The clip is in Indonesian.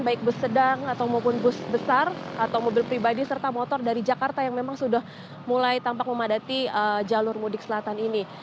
baik bus sedang atau maupun bus besar atau mobil pribadi serta motor dari jakarta yang memang sudah mulai tampak memadati jalur mudik selatan ini